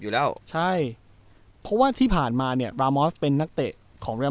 อยู่แล้วใช่เพราะว่าที่ผ่านมาเนี่ยบรามอสเป็นนักเตะของเรียม